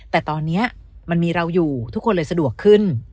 แต่ตอนนี้มันมีเราอยู่ทุกคนเลยสะดวกขึ้น